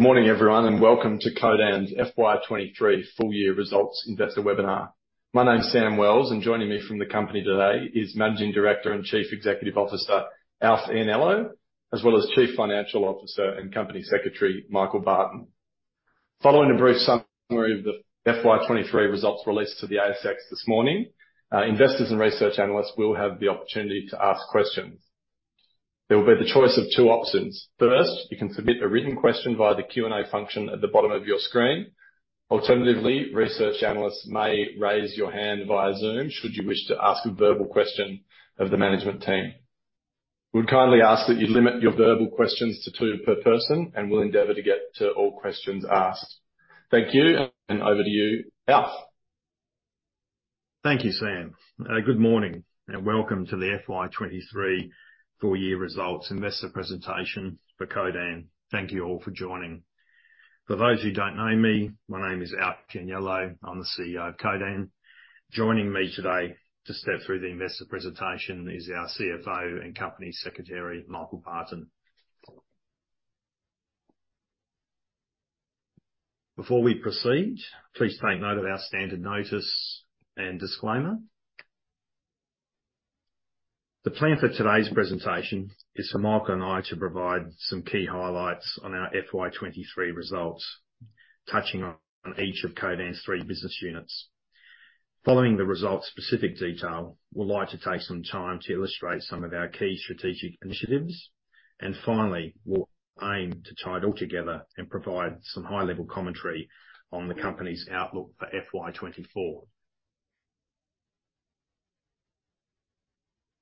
Morning, everyone, and welcome to Codan's FY 2023 full-year results investor webinar. My name is Sam Wells, and joining me from the company today is Managing Director and Chief Executive Officer, Alf Ianniello, as well as Chief Financial Officer and Company Secretary, Michael Barton. Following a brief summary of the FY 2023 results released to the ASX this morning, investors and research analysts will have the opportunity to ask questions. There will be the choice of two options. First, you can submit a written question via the Q&A function at the bottom of your screen. Alternatively, research analysts may raise your hand via Zoom, should you wish to ask a verbal question of the management team. We'd kindly ask that you limit your verbal questions to two per person, and we'll endeavor to get to all questions asked. Thank you, and over to you, Alf. Thank you, Sam. Good morning, and welcome to the FY 2023 full-year results investor presentation for Codan. Thank you all for joining. For those who don't know me, my name is Alf Ianniello. I'm the CEO of Codan. Joining me today to step through the investor presentation is our CFO and Company Secretary, Michael Barton. Before we proceed, please take note of our standard notice and disclaimer. The plan for today's presentation is for Michael and I to provide some key highlights on our FY 2023 results, touching on each of Codan's three business units. Following the results-specific detail, we'd like to take some time to illustrate some of our key strategic initiatives. And finally, we'll aim to tie it all together and provide some high-level commentary on the company's outlook for FY 2024.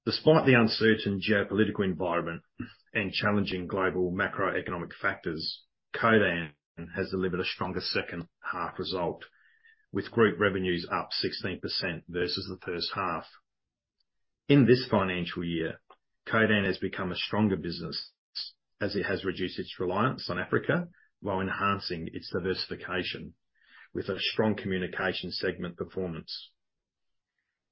Despite the uncertain geopolitical environment and challenging global macroeconomic factors, Codan has delivered a stronger second half result, with group revenues up 16% versus the first half. In this financial year, Codan has become a stronger business, as it has reduced its reliance on Africa, while enhancing its diversification with a strong communications segment performance.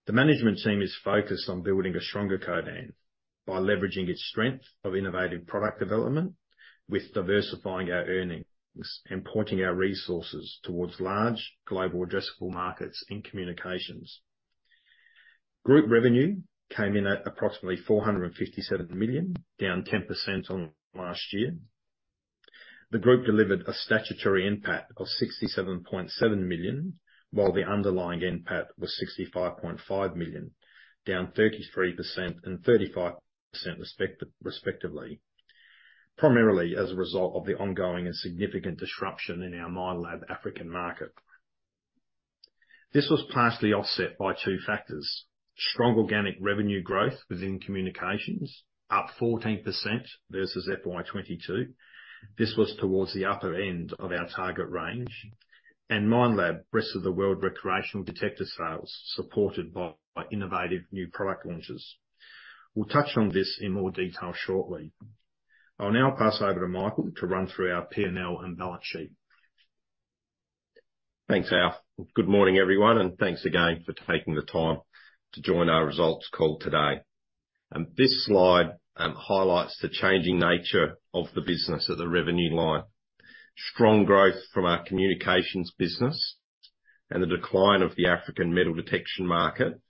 The management team is focused on building a stronger Codan by leveraging its strength of innovative product development, with diversifying our earnings and pointing our resources towards large global addressable markets and communications. Group revenue came in at approximately 457 million, down 10% on last year. The group delivered a statutory NPAT of 67.7 million, while the underlying NPAT was 65.5 million, down 33% and 35%, respectively, primarily as a result of the ongoing and significant disruption in our Minelab African market. This was partially offset by two factors: strong organic revenue growth within communications, up 14% versus FY 2022. This was towards the upper end of our target range. Minelab, Rest of the World recreational detector sales, supported by innovative new product launches. We'll touch on this in more detail shortly. I'll now pass over to Michael to run through our P&L and balance sheet. Thanks, Alf. Good morning, everyone, and thanks again for taking the time to join our results call today. This slide highlights the changing nature of the business at the revenue line. Strong growth from our Communications business and the decline of the African metal detection market,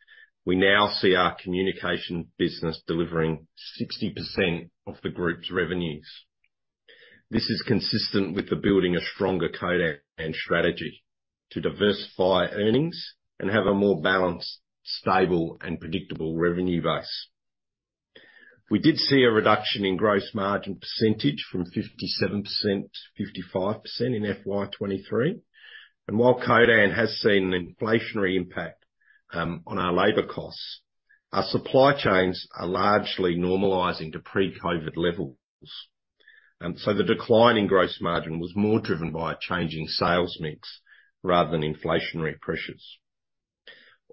we now see our Communication business delivering 60% of the group's revenues. This is consistent with the building a stronger Codan strategy to diversify earnings and have a more balanced, stable, and predictable revenue base. We did see a reduction in gross margin percentage from 57%-55% in FY 2023. And while Codan has seen an inflationary impact on our labor costs, our supply chains are largely normalizing to pre-COVID levels. So the decline in gross margin was more driven by a changing sales mix rather than inflationary pressures.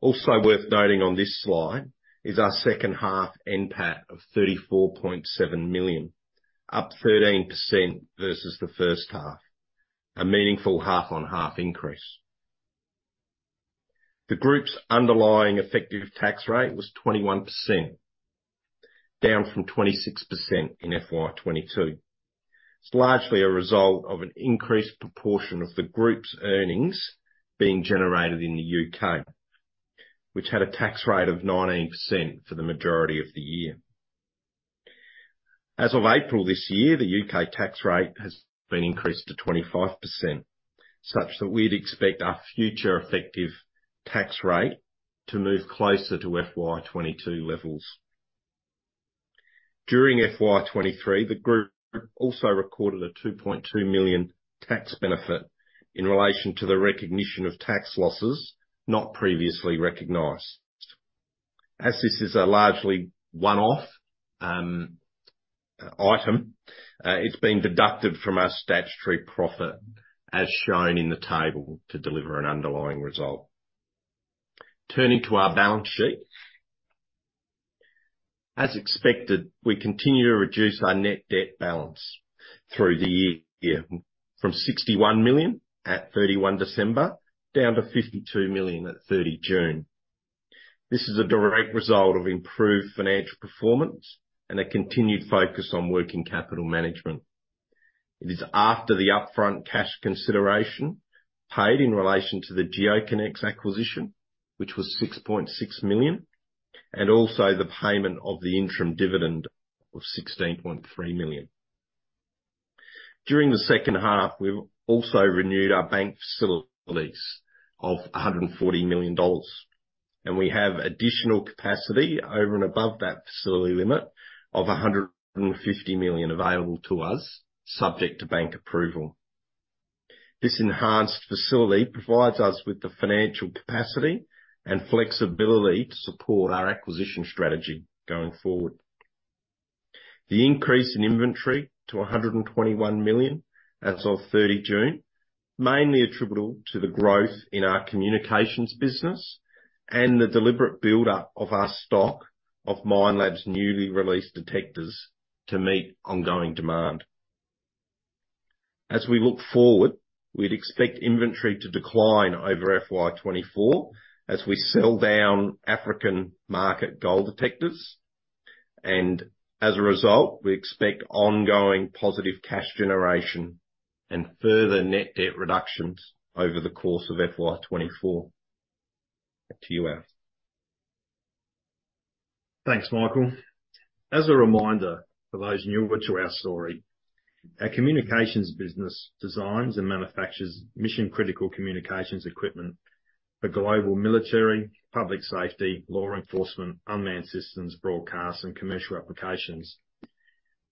Also worth noting on this slide is our second half NPAT of 34.7 million, up 13% versus the first half, a meaningful half on half increase. The group's underlying effective tax rate was 21%, down from 26% in FY 2022. It's largely a result of an increased proportion of the group's earnings being generated in the U.K., which had a tax rate of 19% for the majority of the year. As of April this year, the U.K. tax rate has been increased to 25%, such that we'd expect our future effective tax rate to move closer to FY 2022 levels. During FY 2023, the group also recorded a 2.2 million tax benefit in relation to the recognition of tax losses not previously recognized. As this is a largely one-off item, it's been deducted from our statutory profit, as shown in the table, to deliver an underlying result. Turning to our balance sheet. As expected, we continue to reduce our net debt balance through the year, from 61 million at 31 December, down to 52 million at 30 June. This is a direct result of improved financial performance and a continued focus on working capital management. It is after the upfront cash consideration paid in relation to the GeoConex acquisition, which was 6.6 million, and also the payment of the interim dividend of 16.3 million. During the second half, we've also renewed our bank facilities of 140 million dollars, and we have additional capacity over and above that facility limit of 150 million available to us, subject to bank approval. This enhanced facility provides us with the financial capacity and flexibility to support our acquisition strategy going forward. The increase in inventory to 121 million as of 30 June, mainly attributable to the growth in our Communications business and the deliberate buildup of our stock of Minelab's newly released detectors to meet ongoing demand. As we look forward, we'd expect inventory to decline over FY 2024 as we sell down African market gold detectors, and as a result, we expect ongoing positive cash generation and further net debt reductions over the course of FY 2024. Back to you, Alf. Thanks, Michael. As a reminder for those newer to our story, our Communications business designs and manufactures mission-critical communications equipment for global military, public safety, law enforcement, unmanned systems, broadcasts, and commercial applications.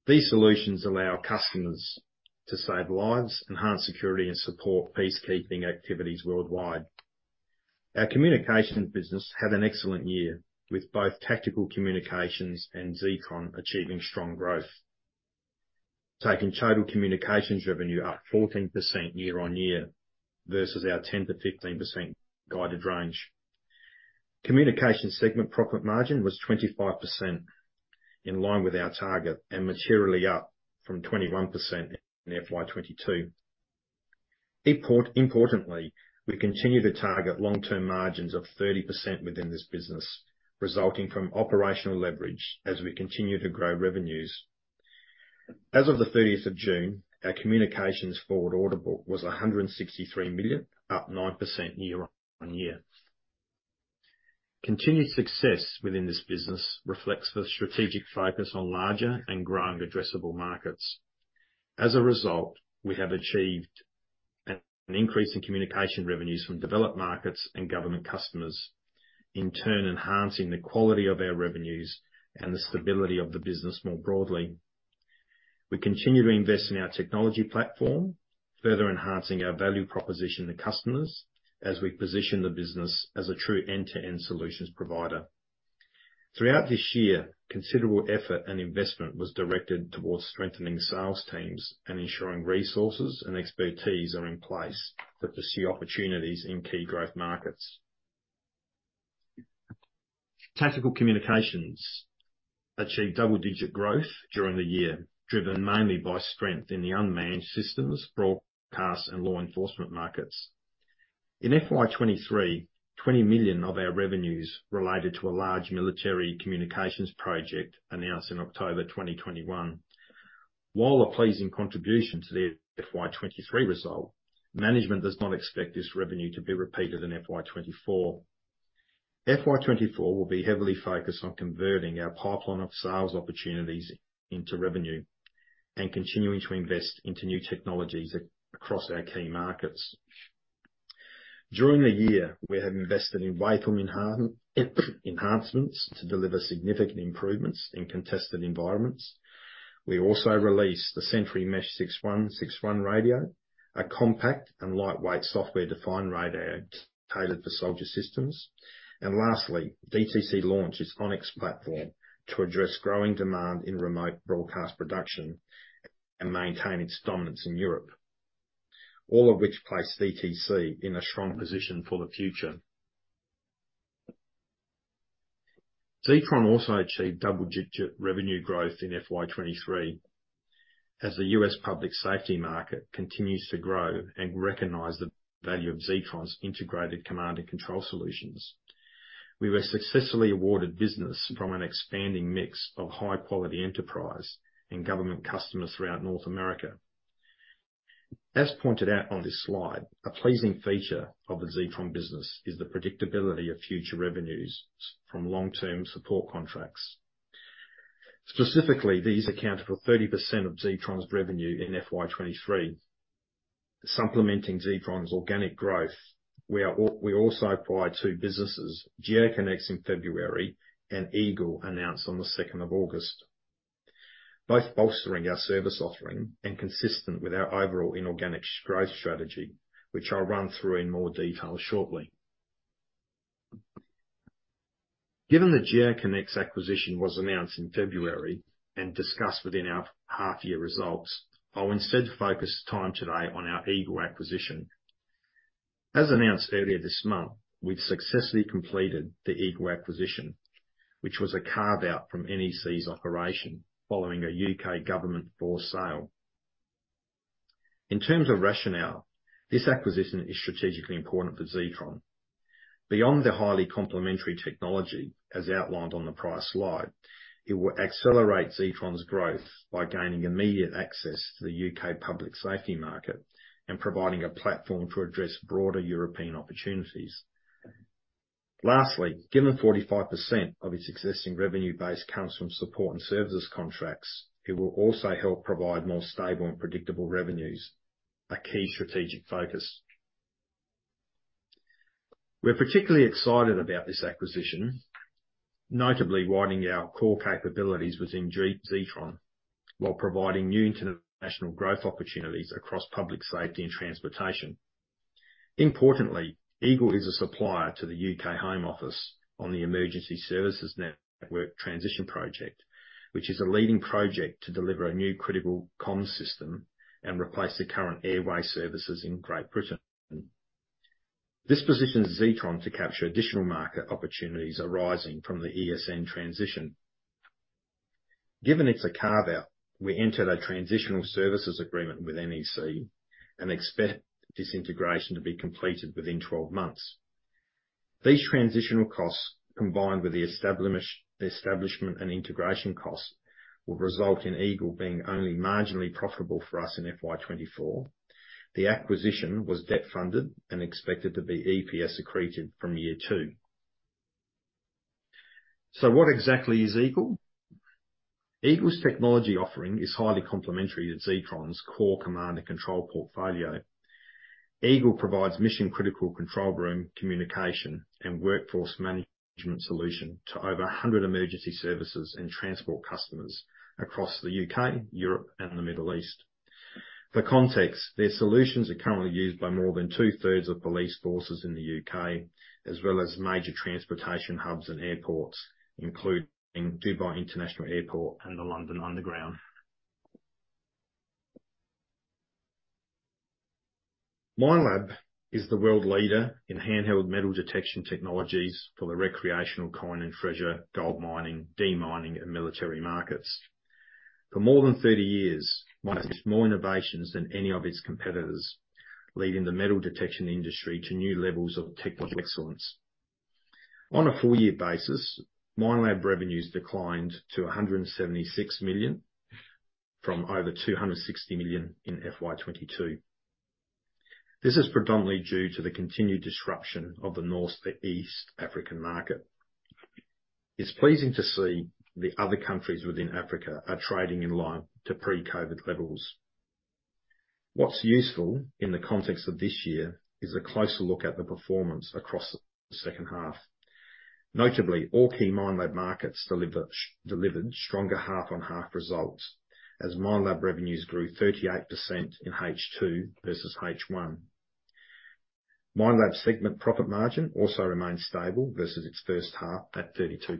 These solutions allow customers to save lives, enhance security, and support peacekeeping activities worldwide. Our communications business had an excellent year, with both Tactical Communications and Zetron achieving strong growth, taking total communications revenue up 14% year-on-year versus our 10%-15% guided range. Communication segment profit margin was 25%, in line with our target and materially up from 21% in FY 2022. Importantly, we continue to target long-term margins of 30% within this business, resulting from operational leverage as we continue to grow revenues. As of the 30th of June, our Communications forward order book was 163 million, up 9% year-on-year. Continued success within this business reflects the strategic focus on larger and growing addressable markets. As a result, we have achieved an increase in Communication revenues from developed markets and government customers, in turn enhancing the quality of our revenues and the stability of the business more broadly. We continue to invest in our technology platform, further enhancing our value proposition to customers as we position the business as a true end-to-end solutions provider. Throughout this year, considerable effort and investment was directed towards strengthening sales teams and ensuring resources and expertise are in place to pursue opportunities in key growth markets. Tactical Communications achieved double-digit growth during the year, driven mainly by strength in the unmanned systems, broadcast, and law enforcement markets. In FY23, 20 million of our revenues related to a large military communications project announced in October 2021. While a pleasing contribution to the FY 2023 result, management does not expect this revenue to be repeated in FY 2024. FY 2024 will be heavily focused on converting our pipeline of sales opportunities into revenue and continuing to invest into new technologies across our key markets. During the year, we have invested in waveform enhancements to deliver significant improvements in contested environments. We also released the Sentry Mesh 6161 radio, a compact and lightweight software-defined radio tailored for soldier systems. And lastly, DTC launched its ConneX platform to address growing demand in remote broadcast production and maintain its dominance in Europe, all of which place DTC in a strong position for the future. Zetron also achieved double-digit revenue growth in FY 2023. As the U.S. public safety market continues to grow and recognize the value of Zetron's integrated command and control solutions, we were successfully awarded business from an expanding mix of high-quality enterprise and government customers throughout North America. As pointed out on this slide, a pleasing feature of the Zetron business is the predictability of future revenues from long-term support contracts. Specifically, these accounted for 30% of Zetron's revenue in FY 2023. Supplementing Zetron's organic growth, we also acquired two businesses, GeoConex in February and Eagle, announced on the second of August, both bolstering our service offering and consistent with our overall inorganic growth strategy, which I'll run through in more detail shortly. Given the GeoConex acquisition was announced in February and discussed within our half-year results, I'll instead focus time today on our Eagle acquisition. As announced earlier this month, we've successfully completed the Eagle acquisition, which was a carve-out from NEC's operation following a U.K. government floor sale. In terms of rationale, this acquisition is strategically important for Zetron. Beyond the highly complementary technology, as outlined on the prior slide, it will accelerate Zetron's growth by gaining immediate access to the U.K. public safety market and providing a platform to address broader European opportunities. Lastly, given 45% of its existing revenue base comes from support and services contracts, it will also help provide more stable and predictable revenues, a key strategic focus. We're particularly excited about this acquisition, notably widening our core capabilities within Zetron, while providing new international growth opportunities across public safety and transportation. Importantly, Eagle is a supplier to the U.K. Home Office on the Emergency Services Network Transition project, which is a leading project to deliver a new critical comms system and replace the current Airwave services in Great Britain. This positions Zetron to capture additional market opportunities arising from the ESN transition. Given it's a carve-out, we entered a transitional services agreement with NEC and expect this integration to be completed within 12 months. These transitional costs, combined with the establishment and integration costs, will result in Eagle being only marginally profitable for us in FY 2024. The acquisition was debt funded and expected to be EPS accretive from year 2. So what exactly is Eagle? Eagle's technology offering is highly complementary to Zetron's core command and control portfolio. Eagle provides mission-critical control room communication and workforce management solution to over 100 emergency services and transport customers across the U.K., Europe, and the Middle East. For context, their solutions are currently used by more than two-thirds of police forces in the U.K., as well as major transportation hubs and airports, including Dubai International Airport and the London Underground. Minelab is the world leader in handheld metal detection technologies for the recreational coin and treasure, gold mining, demining, and military markets. For more than 30 years, Minelab's more innovations than any of its competitors, leading the metal detection industry to new levels of technological excellence. On a full-year basis, Minelab revenues declined to 176 million, from over 260 million in FY 2022. This is predominantly due to the continued disruption of the North East African market. It's pleasing to see the other countries within Africa are trading in line to pre-COVID levels. What's useful in the context of this year, is a closer look at the performance across the second half. Notably, all key Minelab markets delivered stronger half-on-half results, as Minelab revenues grew 38% in H2 versus H1. Minelab's segment profit margin also remained stable versus its first half, at 32%.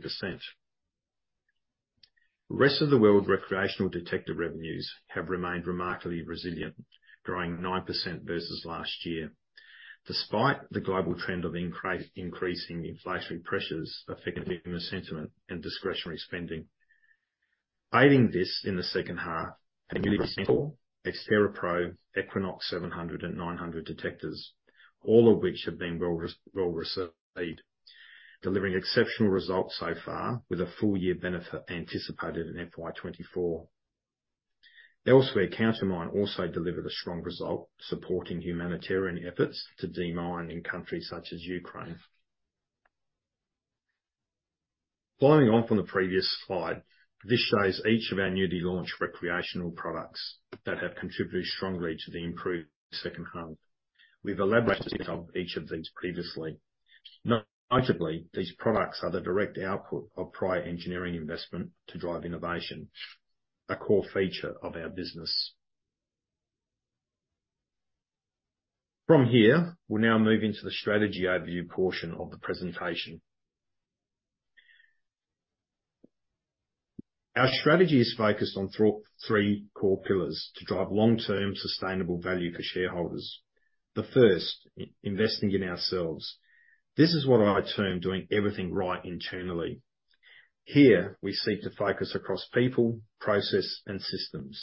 Rest of the World recreational detector revenues have remained remarkably resilient, growing 9% versus last year, despite the global trend of increasing inflationary pressures affecting the sentiment and discretionary spending. Aiding this in the second half, the new example, X-TERRA PRO, EQUINOX 700 and 900 detectors, all of which have been well received. Delivering exceptional results so far, with a full year benefit anticipated in FY 2024. Elsewhere, Countermine also delivered a strong result, supporting humanitarian efforts to demine in countries such as Ukraine. Following on from the previous slide, this shows each of our newly launched recreational products that have contributed strongly to the improved second half. We've elaborated on each of these previously. Notably, these products are the direct output of prior engineering investment to drive innovation, a core feature of our business. From here, we'll now move into the strategy overview portion of the presentation. Our strategy is focused on three core pillars to drive long-term sustainable value for shareholders. The first, investing in ourselves. This is what I term doing everything right internally. Here, we seek to focus across people, process, and systems.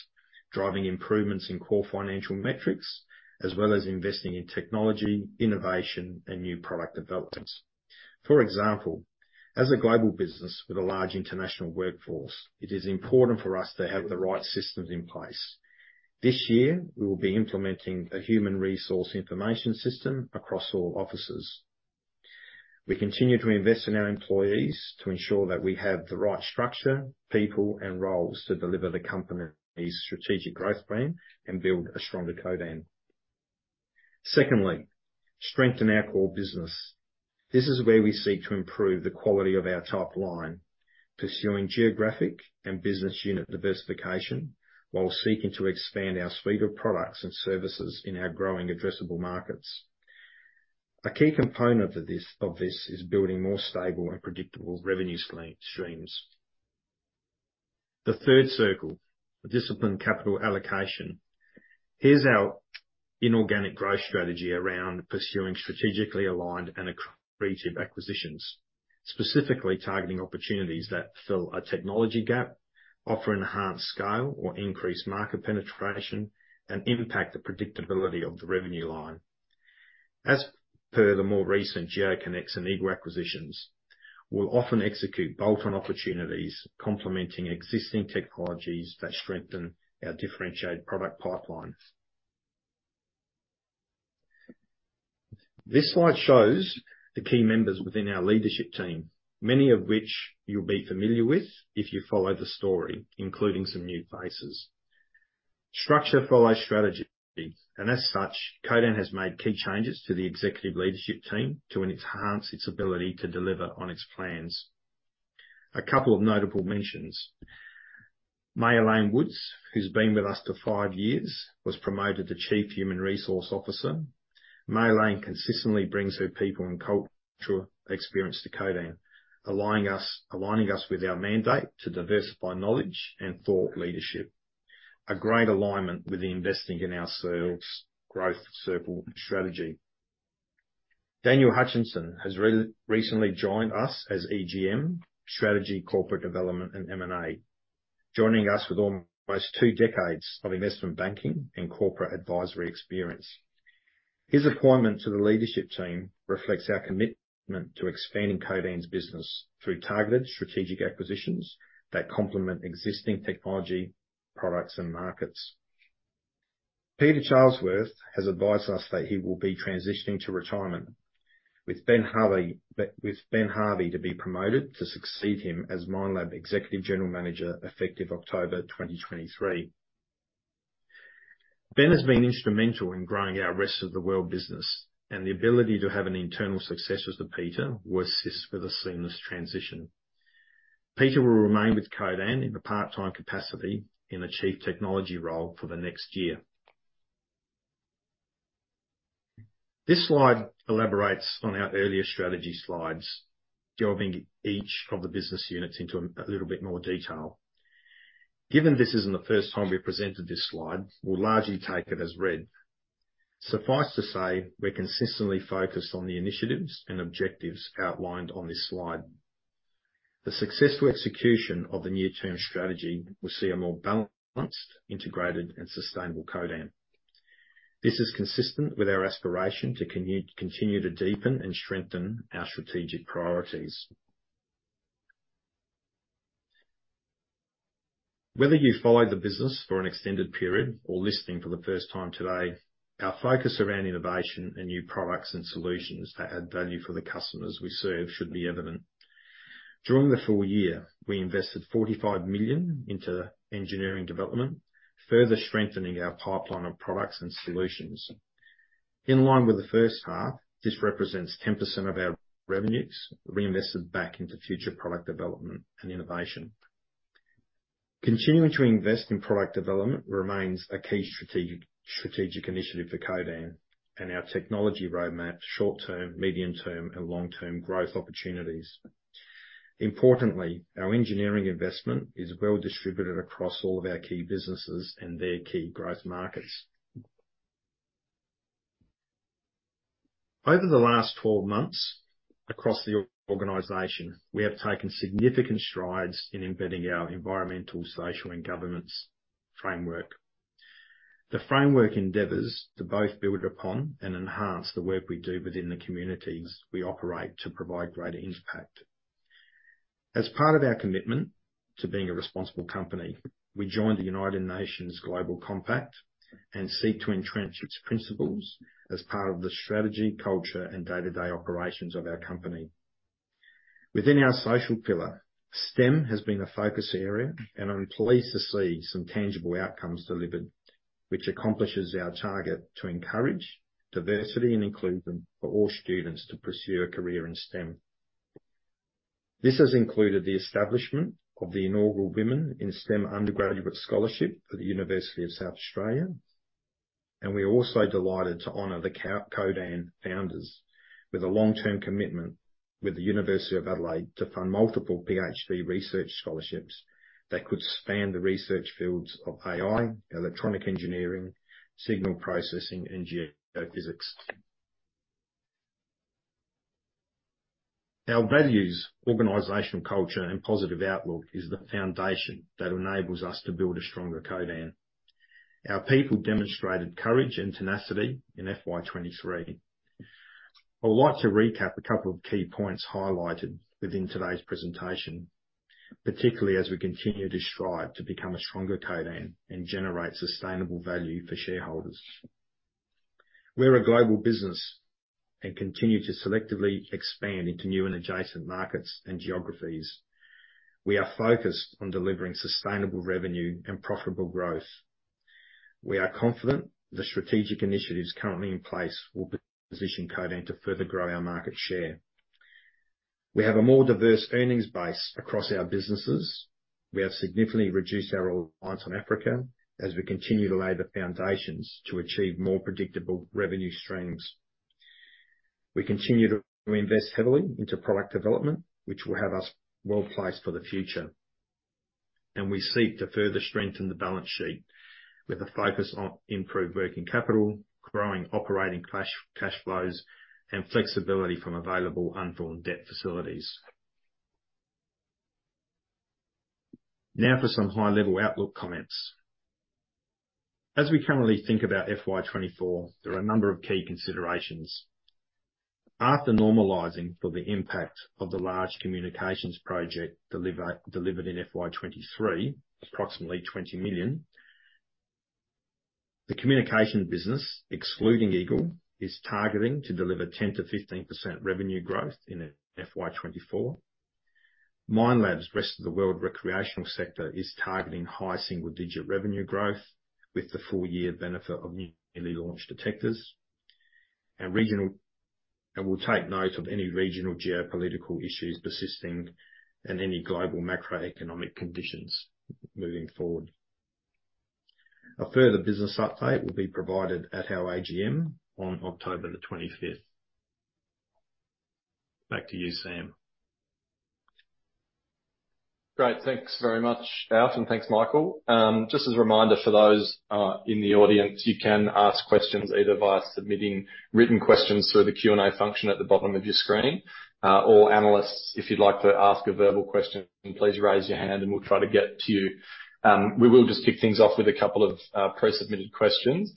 Driving improvements in core financial metrics, as well as investing in technology, innovation, and new product developments. For example, as a global business with a large international workforce, it is important for us to have the right systems in place. This year, we will be implementing a human resource information system across all offices. We continue to invest in our employees to ensure that we have the right structure, people, and roles to deliver the company's strategic growth plan and build a stronger Codan. Secondly, strengthen our core business. This is where we seek to improve the quality of our top line, pursuing geographic and business unit diversification, while seeking to expand our suite of products and services in our growing addressable markets. A key component of this is building more stable and predictable revenue streams. The third circle, disciplined capital allocation. Here's our... Inorganic growth strategy around pursuing strategically aligned and accretive acquisitions, specifically targeting opportunities that fill a technology gap, offer enhanced scale or increased market penetration, and impact the predictability of the revenue line. As per the more recent GeoConex and Eagle acquisitions, we'll often execute bolt-on opportunities, complementing existing technologies that strengthen our differentiated product pipelines. This slide shows the key members within our leadership team, many of which you'll be familiar with if you follow the story, including some new faces. Structure follows strategy, and as such, Codan has made key changes to the executive leadership team to enhance its ability to deliver on its plans. A couple of notable mentions. Marjolijn Woods, who's been with us for five years, was promoted to Chief Human Resource Officer. Marjolijn consistently brings her people and cultural experience to Codan, aligning us with our mandate to diversify knowledge and thought leadership. A great alignment with the investing in ourselves growth circle strategy. Daniel Hutchinson has recently joined us as EGM, Strategy, Corporate Development, and M&A. Joining us with almost two decades of investment banking and corporate advisory experience. His appointment to the leadership team reflects our commitment to expanding Codan's business through targeted strategic acquisitions that complement existing technology, products, and markets. Peter Charlesworth has advised us that he will be transitioning to retirement, with Ben Harvey to be promoted to succeed him as Minelab Executive General Manager, effective October 2023. Ben has been instrumental in growing our Rest of the World business, and the ability to have an internal successor to Peter will assist with a seamless transition. Peter will remain with Codan in a part-time capacity in a chief technology role for the next year. This slide elaborates on our earlier strategy slides, delving each of the business units into a little bit more detail. Given this isn't the first time we've presented this slide, we'll largely take it as read. Suffice to say, we're consistently focused on the initiatives and objectives outlined on this slide. The successful execution of the near-term strategy will see a more balanced, integrated, and sustainable Codan. This is consistent with our aspiration to continue to deepen and strengthen our strategic priorities. Whether you've followed the business for an extended period or listening for the first time today, our focus around innovation and new products and solutions that add value for the customers we serve should be evident. During the full-year, we invested 45 million into engineering development, further strengthening our pipeline of products and solutions. In line with the first half, this represents 10% of our revenues reinvested back into future product development and innovation. Continuing to invest in product development remains a key strategic, strategic initiative for Codan and our technology roadmap, short-term, medium-term, and long-term growth opportunities. Importantly, our engineering investment is well distributed across all of our key businesses and their key growth markets. Over the last 12 months across the organization, we have taken significant strides in embedding our environmental, social, and governance framework. The framework endeavors to both build upon and enhance the work we do within the communities we operate to provide greater impact. As part of our commitment to being a responsible company, we joined the United Nations Global Compact and seek to entrench its principles as part of the strategy, culture, and day-to-day operations of our company. Within our social pillar, STEM has been a focus area, and I'm pleased to see some tangible outcomes delivered, which accomplishes our target to encourage diversity and inclusion for all students to pursue a career in STEM. This has included the establishment of the inaugural Women in STEM Undergraduate Scholarship at the University of South Australia, and we are also delighted to honor the Codan founders with a long-term commitment with the University of Adelaide to fund multiple PhD research scholarships that could span the research fields of AI, electronic engineering, signal processing, and geophysics. Our values, organizational culture, and positive outlook is the foundation that enables us to build a stronger Codan. Our people demonstrated courage and tenacity in FY 2023. I'd like to recap a couple of key points highlighted within today's presentation, particularly as we continue to strive to become a stronger Codan and generate sustainable value for shareholders. We're a global business and continue to selectively expand into new and adjacent markets and geographies. We are focused on delivering sustainable revenue and profitable growth. We are confident the strategic initiatives currently in place will position Codan to further grow our market share. We have a more diverse earnings base across our businesses. We have significantly reduced our reliance on Africa as we continue to lay the foundations to achieve more predictable revenue streams. We continue to invest heavily into product development, which will have us well-placed for the future. We seek to further strengthen the balance sheet, with a focus on improved working capital, growing operating cash, cash flows, and flexibility from available undrawn debt facilities. Now, for some high-level outlook comments. As we currently think about FY 2024, there are a number of key considerations. After normalizing for the impact of the large communications project deliver, delivered in FY 2023, approximately 20 million, the communication business, excluding Eagle, is targeting to deliver 10%-15% revenue growth in FY 2024. Minelab's Rest of the World Recreational sector is targeting high single-digit revenue growth, with the full-year benefit of newly launched detectors. And regional- and we'll take note of any regional geopolitical issues persisting, and any global macroeconomic conditions moving forward. A further business update will be provided at our AGM on October 25. Back to you, Sam. Great. Thanks very much, Alf, and thanks, Michael. Just as a reminder for those in the audience, you can ask questions either via submitting written questions through the Q&A function at the bottom of your screen. Or analysts, if you'd like to ask a verbal question, please raise your hand and we'll try to get to you. We will just kick things off with a couple of pre-submitted questions.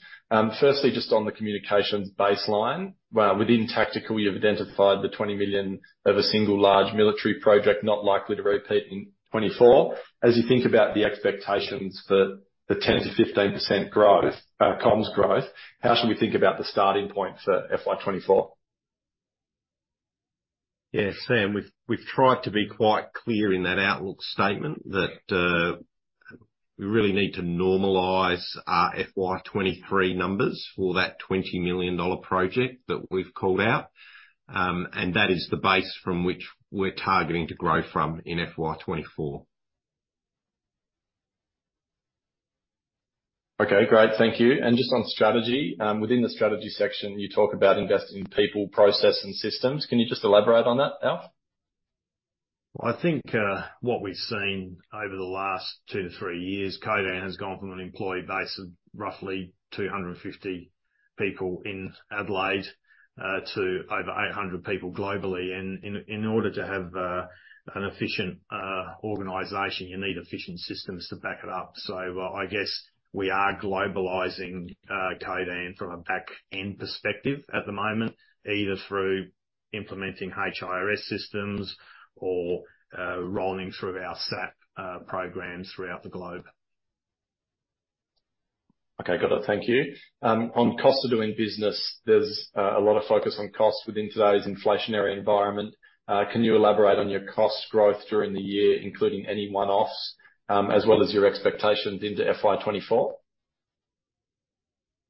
Firstly, just on the communications baseline. Within Tactical, you've identified the 20 million of a single large military project not likely to repeat in 2024. As you think about the expectations for the 10%-15% growth, comms growth, how should we think about the starting point for FY 2024? Yeah, Sam, we've tried to be quite clear in that outlook statement that we really need to normalize our FY 2023 numbers for that 20 million dollar project that we've called out. That is the base from which we're targeting to grow from in FY 2024. Okay, great. Thank you. And just on strategy. Within the strategy section, you talk about investing in people, process, and systems. Can you just elaborate on that, Alf? Well, I think, what we've seen over the last 2-3 years, Codan has gone from an employee base of roughly 250 people in Adelaide, to over 800 people globally. And in, in order to have, an efficient, organization, you need efficient systems to back it up. So I guess we are globalizing, Codan from a back-end perspective at the moment, either through implementing HRIS systems or, rolling through our SAP, programs throughout the globe. Okay. Got it. Thank you. On cost of doing business, there's a lot of focus on cost within today's inflationary environment. Can you elaborate on your cost growth during the year, including any one-offs, as well as your expectations into FY 2024?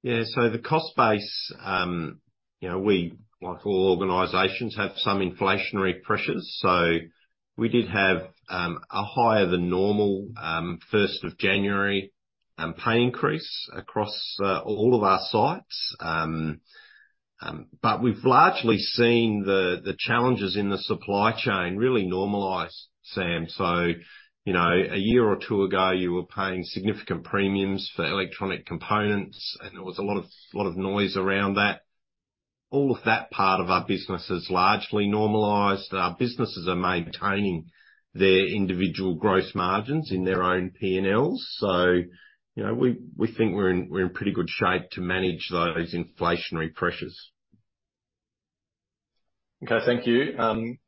Yeah, so the cost base, you know, we, like all organizations, have some inflationary pressures. So we did have a higher than normal first of January pay increase across all of our sites. But we've largely seen the challenges in the supply chain really normalize, Sam. So, you know, a year or two ago, you were paying significant premiums for electronic components, and there was a lot of noise around that. All of that part of our business is largely normalized. Our businesses are maintaining their individual gross margins in their own P&Ls. So, you know, we think we're in pretty good shape to manage those inflationary pressures. Okay. Thank you.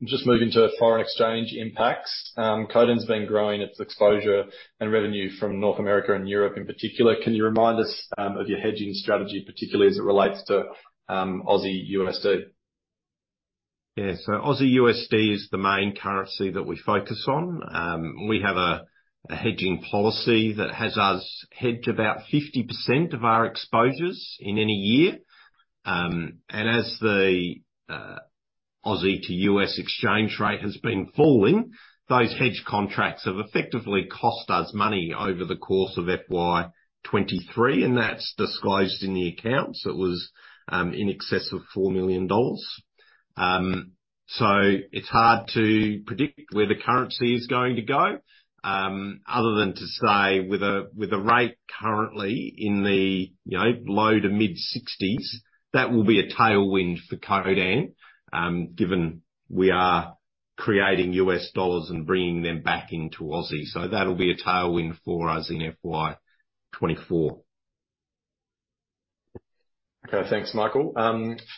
Just moving to foreign exchange impacts. Codan's been growing its exposure and revenue from North America and Europe in particular. Can you remind us of your hedging strategy, particularly as it relates to Aussie-USD? Yeah. So Aussie-USD is the main currency that we focus on. We have a hedging policy that has us hedge about 50% of our exposures in any year. And as the Aussie-to-U.S. exchange rate has been falling, those hedge contracts have effectively cost us money over the course of FY 2023, and that's disclosed in the accounts. It was in excess of 4 million dollars. So it's hard to predict where the currency is going to go, other than to say with the rate currently in the, you know, low-to-mid 60s, that will be a tailwind for Codan, given we are creating U.S. dollars and bringing them back into Aussie. So that'll be a tailwind for us in FY 2024. Okay. Thanks, Michael.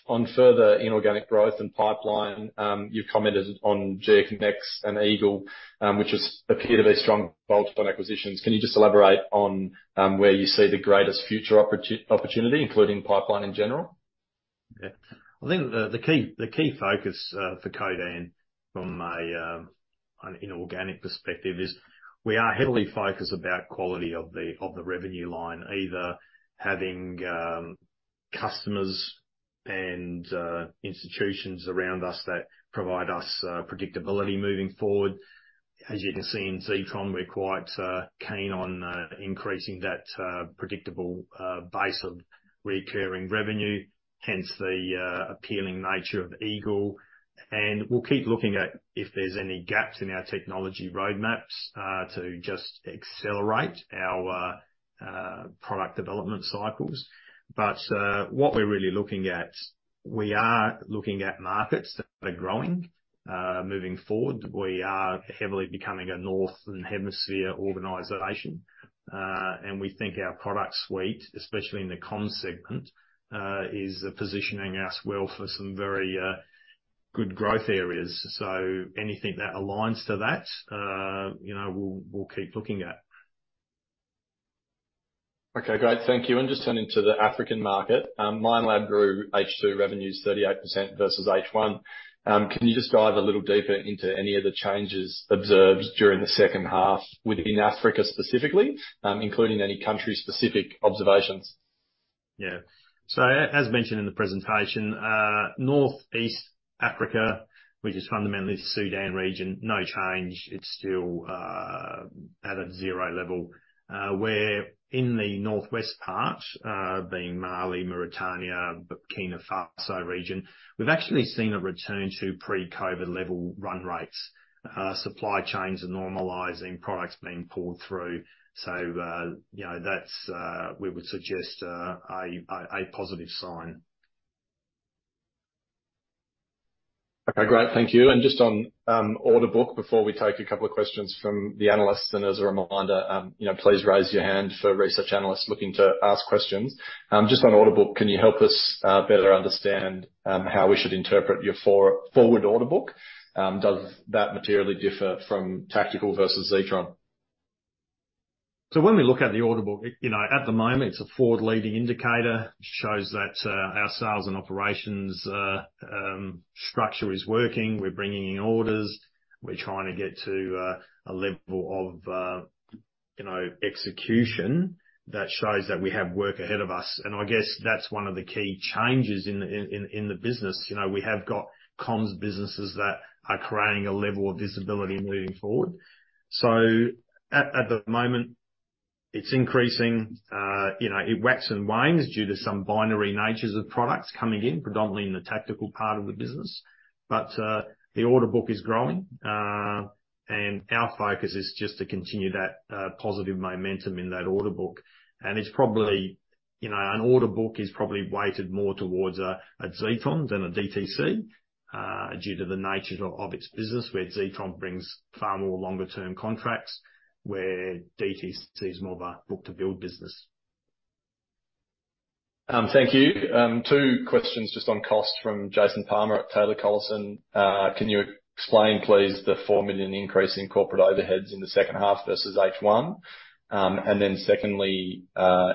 On further inorganic growth and pipeline, you've commented on GeoConex and Eagle, which appear to be strong bolt-on acquisitions. Can you just elaborate on where you see the greatest future opportunity, including pipeline in general? Yeah. I think the key focus for Codan from an inorganic perspective is we are heavily focused about quality of the revenue line, either having customers and institutions around us that provide us predictability moving forward. As you can see in Zetron, we're quite keen on increasing that predictable base of recurring revenue, hence the appealing nature of Eagle. And we'll keep looking at if there's any gaps in our technology roadmaps to just accelerate our product development cycles. But what we're really looking at, we are looking at markets that are growing. Moving forward, we are heavily becoming a Northern Hemisphere organization, and we think our product suite, especially in the Comms segment, is positioning us well for some very good growth areas. Anything that aligns to that, you know, we'll keep looking at. Okay, great. Thank you. And just turning to the African market, Minelab grew H2 revenues 38% versus H1. Can you just dive a little deeper into any of the changes observed during the second half within Africa specifically, including any country-specific observations? Yeah. So as mentioned in the presentation, Northeast Africa, which is fundamentally the Sudan region, no change, it's still at a zero level. Where in the northwest part, being Mali, Mauritania, Burkina Faso region, we've actually seen a return to pre-COVID level run rates. Supply chains are normalizing, products being pulled through. So, you know, that's we would suggest a positive sign. Okay, great. Thank you. And just on order book, before we take a couple of questions from the analysts, and as a reminder, you know, please raise your hand for research analysts looking to ask questions. Just on order book, can you help us better understand how we should interpret your forward order book? Does that materially differ from Tactical versus Zetron? So when we look at the order book, you know, at the moment, it's a forward-leading indicator. Shows that our sales and operations structure is working. We're bringing in orders. We're trying to get to a level of, you know, execution that shows that we have work ahead of us. And I guess that's one of the key changes in the business. You know, we have got comms businesses that are creating a level of visibility moving forward. So at the moment, it's increasing. You know, it waxes and wanes due to some binary natures of products coming in, predominantly in the Tactical part of the business. But the order book is growing, and our focus is just to continue that positive momentum in that order book. It's probably, you know, an order book is probably weighted more towards a Zetron than a DTC due to the nature of its business, where Zetron brings far more longe-term contracts, where DTC is more of a book-to-build business. Thank you. Two questions just on cost from Jason Palmer at Taylor Collison. Can you explain, please, the 4 million increase in corporate overheads in the second half versus H1? And then secondly,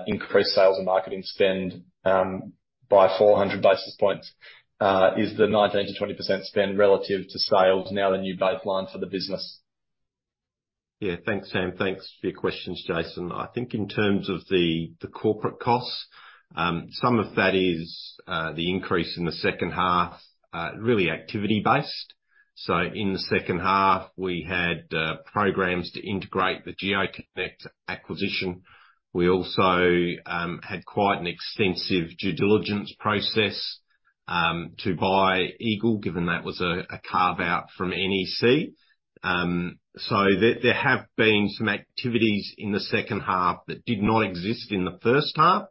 increased sales and marketing spend by 400 basis points. Is the 19%-20% spend relative to sales now the new baseline for the business? Yeah. Thanks, Sam. Thanks for your questions, Jason. I think in terms of the corporate costs, some of that is the increase in the second half, really activity-based. So in the second half, we had programs to integrate the GeoConex acquisition. We also had quite an extensive due diligence process to buy Eagle, given that was a carve-out from NEC. So there have been some activities in the second half that did not exist in the first half,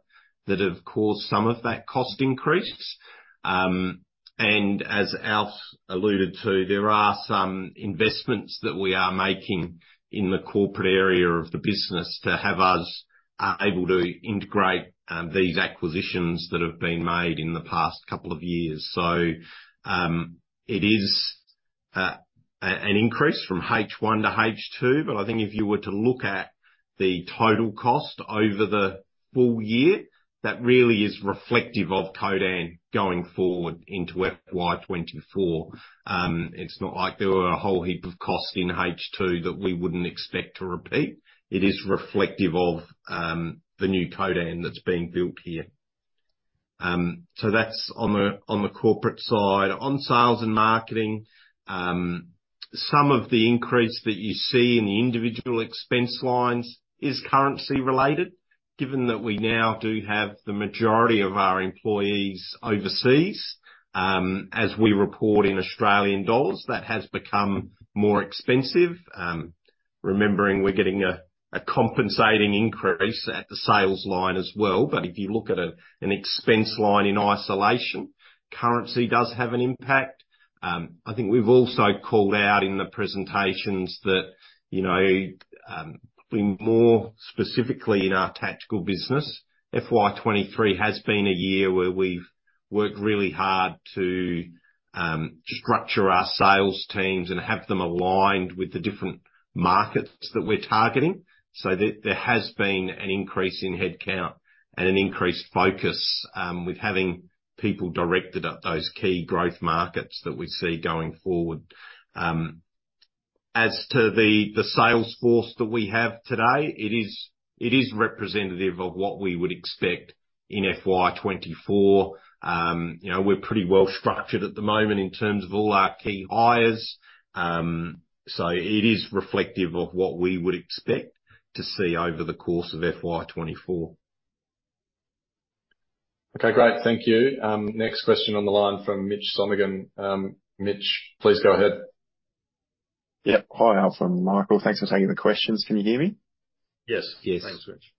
that have caused some of that cost increase. And as Alf alluded to, there are some investments that we are making in the corporate area of the business to have us able to integrate these acquisitions that have been made in the past couple of years. So, it is an increase from H1-H2, but I think if you were to look at the total cost over the full-year, that really is reflective of Codan going forward into FY24. It's not like there were a whole heap of costs in H2 that we wouldn't expect to repeat. It is reflective of the new Codan that's being built here. So that's on the corporate side. On sales and marketing, some of the increase that you see in the individual expense lines is currency related. Given that we now do have the majority of our employees overseas, as we report in Australian dollars, that has become more expensive. Remembering, we're getting a compensating increase at the sales line as well, but if you look at an expense line in isolation, currency does have an impact. I think we've also called out in the presentations that, you know, more specifically in our Tactical business, FY 2023 has been a year where we've worked really hard to structure our sales teams and have them aligned with the different markets that we're targeting. So there has been an increase in headcount and an increased focus with having people directed at those key growth markets that we see going forward. As to the sales force that we have today, it is representative of what we would expect in FY 2024. You know, we're pretty well structured at the moment in terms of all our key hires. So it is reflective of what we would expect to see over the course of FY 2024. Okay, great. Thank you. Next question on the line from Mitch Somaiya. Mitch, please go ahead. Yeah. Hi, Alf and Michael. Thanks for taking the questions. Can you hear me? Yes. Yes. Thanks, Mitch.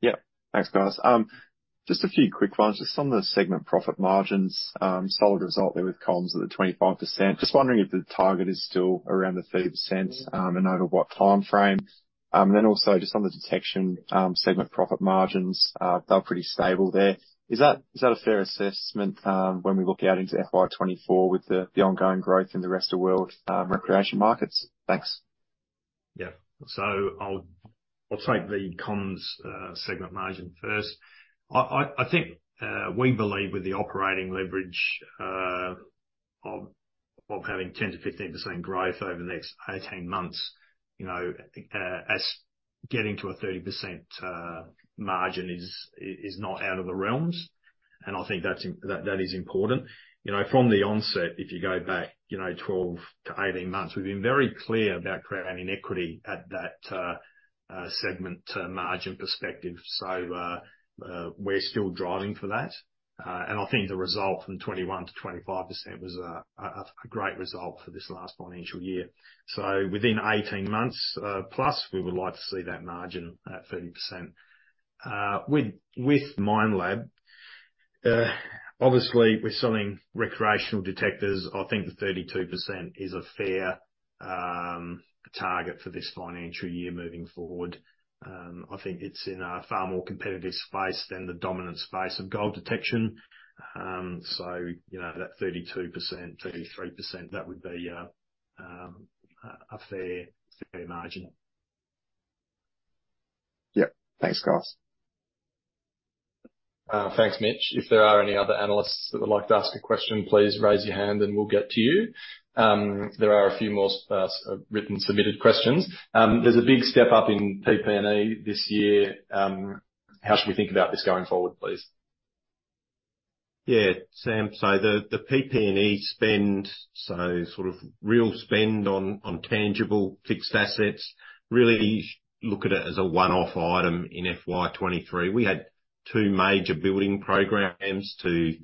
Yeah. Thanks, guys. Just a few quick ones. Just on the segment profit margins, solid result there with comms at the 25%. Just wondering if the target is still around the 30%, and over what timeframe? Then also just on the detection, segment profit margins, they're pretty stable there. Is that a fair assessment, when we look out into FY 2024 with the ongoing growth in the rest of world, recreation markets? Thanks. Yeah. So I'll, I'll take the Comms segment margin first. I think we believe with the operating leverage of having 10%-15% growth over the next 18 months, you know, as getting to a 30% margin is not out of the realms, and I think that's important. You know, from the onset, if you go back, you know, 12-18 months, we've been very clear about creating equity at that segment to margin perspective. So, we're still driving for that. And I think the result from 21%-25% was a great result for this last financial year. So within 18 months plus, we would like to see that margin at 30%. With Minelab, obviously, we're selling recreational detectors. I think 32% is a fair target for this financial year moving forward. I think it's in a far more competitive space than the dominant space of gold detection. So you know, that 32%, 33%, that would be a fair margin. Yep. Thanks, guys. Thanks, Mitch. If there are any other analysts that would like to ask a question, please raise your hand and we'll get to you. There are a few more written submitted questions. There's a big step-up in PP&E this year. How should we think about this going forward, please? Yeah, Sam, so the PP&E spend, so sort of real spend on tangible fixed assets, really look at it as a one-off item in FY 2023. We had two major building programs to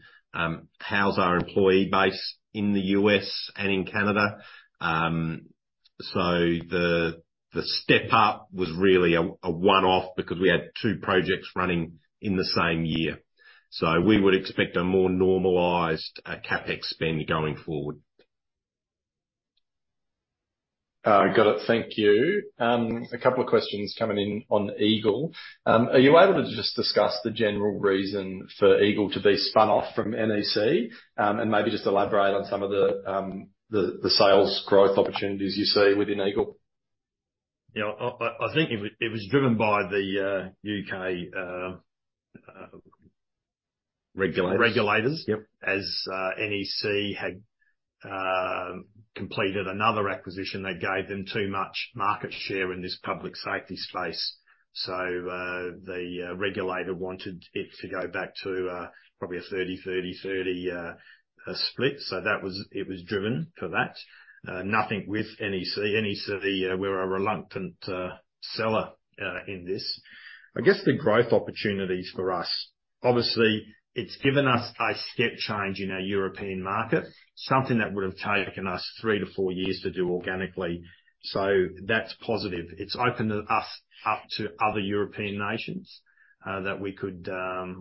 house our employee base in the U.S. and in Canada. So the step up was really a one-off because we had two projects running in the same year. So we would expect a more normalized CapEx spend going forward. Got it. Thank you. A couple of questions coming in on Eagle. Are you able to just discuss the general reason for Eagle to be spun off from NEC? And maybe just elaborate on some of the sales growth opportunities you see within Eagle. You know, I think it was driven by the U.K.... Regulators - regulators. Yep. As NEC had completed another acquisition that gave them too much market share in this public safety space. So, the regulator wanted it to go back to, probably a 30%, 30%, 30% split. So that was... It was driven for that. Nothing with NEC. NEC, we're a reluctant seller, in this. I guess the growth opportunities for us, obviously, it's given us a step change in our European market, something that would have taken us 3-4 years to do organically. So that's positive. It's opened us up to other European nations, that we could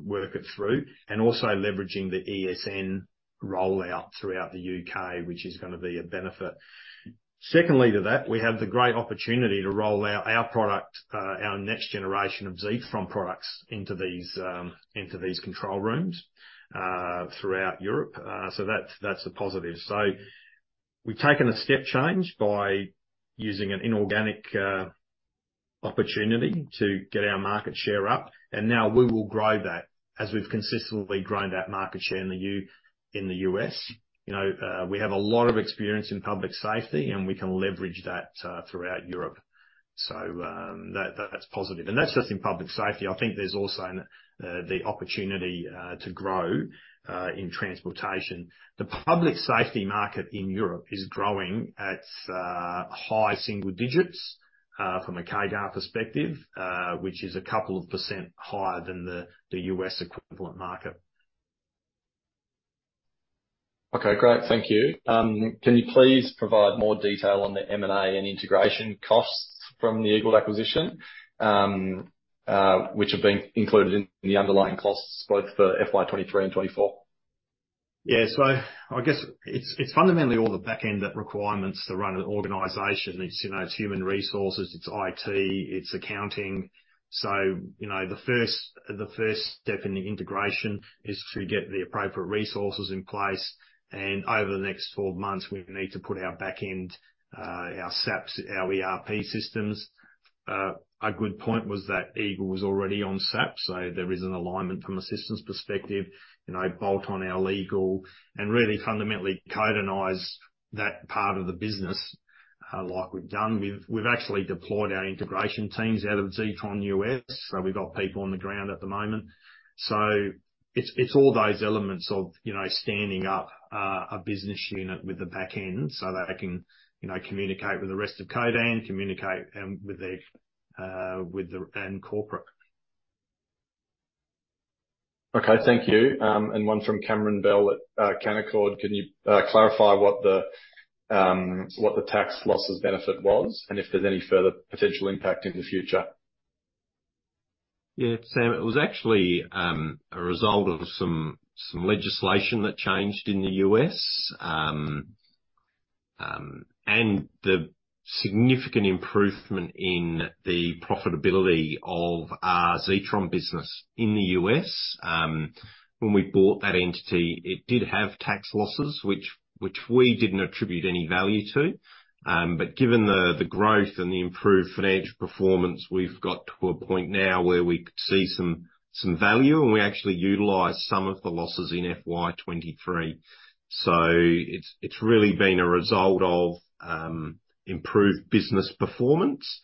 work it through, and also leveraging the ESN rollout throughout the U.K., which is gonna be a benefit. Secondly to that, we have the great opportunity to roll out our product, our next generation of Zetron products into these, into these control rooms, throughout Europe. So that's a positive. So we've taken a step change by using an inorganic opportunity to get our market share up, and now we will grow that, as we've consistently grown that market share in the US. You know, we have a lot of experience in public safety, and we can leverage that throughout Europe. So that, that's positive. And that's just in public safety. I think there's also the opportunity to grow in transportation. The public safety market in Europe is growing at high single digits from a CAGR perspective, which is a couple of percent higher than the US equivalent market. Okay, great. Thank you. Can you please provide more detail on the M&A and integration costs from the Eagle acquisition, which have been included in the underlying costs both for FY 2023 and 2024. Yeah. So I guess it's, it's fundamentally all the back-end requirements to run an organization. It's, you know, it's human resources, it's IT, it's accounting. So, you know, the first step in the integration is to get the appropriate resources in place, and over the next 12 months, we need to put our back end, our SAPs, our ERP systems. A good point was that Eagle was already on SAP, so there is an alignment from a systems perspective. You know, bolt on our legal and really fundamentally Codanize that part of the business, like we've done with. We've actually deployed our integration teams out of Zetron U.S., so we've got people on the ground at the moment. So it's, it's all those elements of, you know, standing up a business unit with a back end so that they can, you know, communicate with the rest of Codan, communicate with their, with the and corporate. Okay, thank you. And one from Cameron Bell at Canaccord Genuity. Can you clarify what the tax losses benefit was, and if there's any further potential impact in the future? Yeah, Sam, it was actually a result of some legislation that changed in the U.S. and the significant improvement in the profitability of our Zetron business in the U.S. When we bought that entity, it did have tax losses, which we didn't attribute any value to. But given the growth and the improved financial performance, we've got to a point now where we see some value, and we actually utilized some of the losses in FY 2023. So it's really been a result of improved business performance.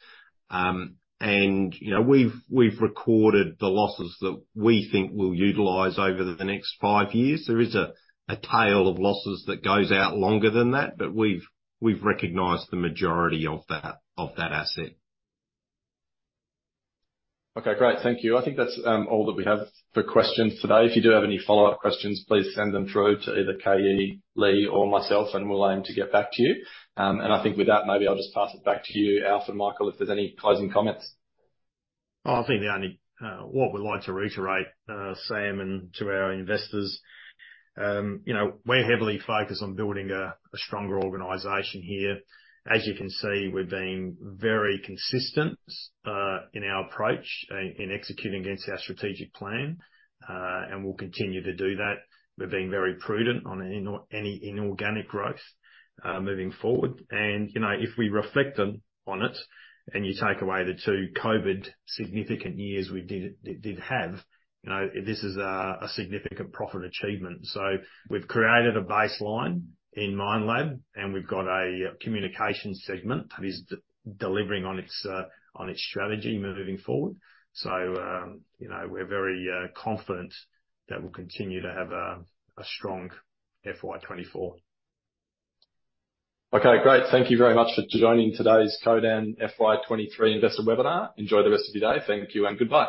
And, you know, we've recorded the losses that we think we'll utilize over the next five years. There is a tail of losses that goes out longer than that, but we've recognized the majority of that asset. Okay, great. Thank you. I think that's all that we have for questions today. If you do have any follow-up questions, please send them through to either Kaylee, or myself, and we'll aim to get back to you. And I think with that, maybe I'll just pass it back to you, Alf and Michael, if there's any closing comments. What we'd like to reiterate, Sam, and to our investors, you know, we're heavily focused on building a stronger organization here. As you can see, we're being very consistent in our approach in executing against our strategic plan. And we'll continue to do that. We're being very prudent on any inorganic growth moving forward. And, you know, if we reflect on it, and you take away the two COVID significant years we did have, you know, this is a significant profit achievement. So we've created a baseline in Minelab, and we've got a communication segment that is delivering on its strategy moving forward. So, you know, we're very confident that we'll continue to have a strong FY 2024. Okay, great. Thank you very much for joining today's Codan FY 2023 investor webinar. Enjoy the rest of your day. Thank you and goodbye.